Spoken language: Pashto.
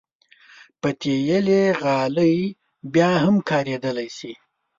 پتېلي غالۍ بیا هم کارېدلی شي.